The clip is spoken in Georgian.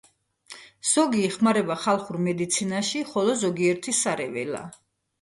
ზოგი იხმარება ხალხურ მედიცინაში, ხოლო, ზოგიერთი სარეველაა.